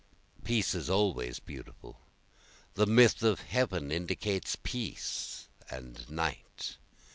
Peace is always beautiful, The myth of heaven indicates peace and night.